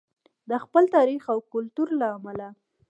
د خپل تاریخ او کلتور له امله.